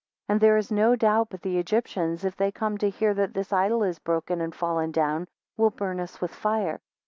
2 And there is no doubt but the Egyptians if they come to hear that this idol is broken and fallen down, will burn us with fire.